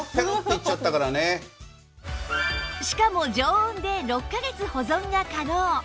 しかも常温で６カ月保存が可能